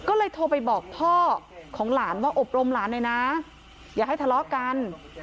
ก็เลยโทรไปบอกพ่อของหลานว่าอบรมหลานหน่อยนะอย่าให้ทะเลาะกัน